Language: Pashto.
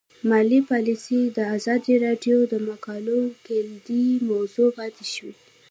مالي پالیسي د ازادي راډیو د مقالو کلیدي موضوع پاتې شوی.